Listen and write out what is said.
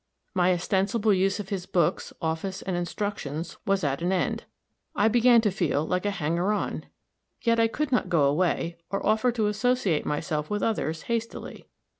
My ostensible use of his books, office, and instructions was at an end; I began to feel like a hanger on. Yet I could not go away, or offer to associate myself with others, hastily.